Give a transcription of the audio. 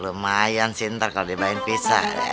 lumayan sih ntar kalo dibahain pisah